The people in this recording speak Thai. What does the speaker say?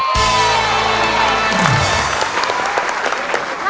ถูกครับ